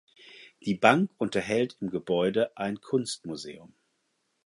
Die Bank unterhält im Gebäude ein Kunstmuseum.